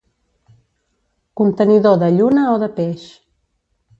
Contenidor de lluna o de peix.